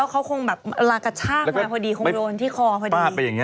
แล้วเขาคงรักแบบชากมาพอดี